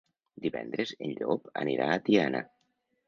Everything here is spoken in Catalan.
Divendres en Llop anirà a Tiana.